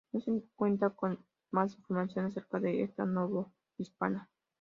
No se cuenta con más información acerca de esta novohispana.